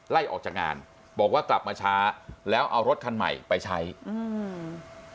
ไล่ออกจากงานบอกว่ากลับมาช้าแล้วเอารถคันใหม่ไปใช้อืม